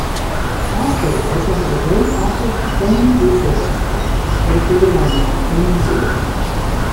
Hospital also has a very active Family Resource Centre located on the Knockainey Road.